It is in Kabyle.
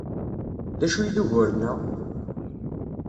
D acu i d ugur-nneɣ?